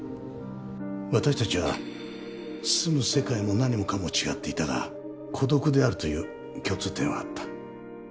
私たちは住む世界も何もかも違っていたが孤独であるという共通点はあった。